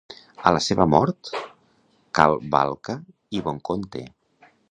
A la seva mort, Calvalca i Bonconte.